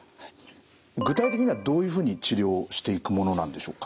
具体的にはどういうふうに治療していくものなんでしょうか？